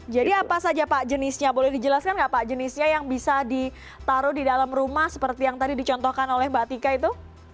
jadi apa saja pak jenisnya boleh dijelaskan nggak pak jenisnya yang bisa ditaruh di dalam rumah seperti yang tadi dicontohkan oleh mbak tika itu